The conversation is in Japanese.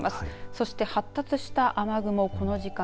そして、発達した雨雲この時間